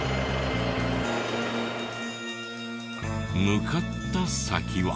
向かった先は。